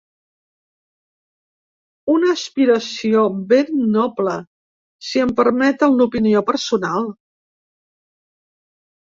Una aspiració ben noble, si em permeten l'opinió personal.